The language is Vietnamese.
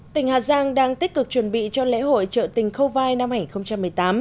tỉnh hà giang đang tích cực chuẩn bị cho lễ hội trợ tình khâu vai năm hai nghìn một mươi tám